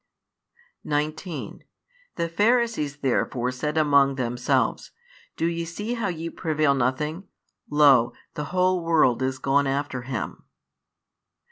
19 The Pharisees therefore said among themselves, Do ye see how ye prevail nothing? Lo, the whole world is gone after Him.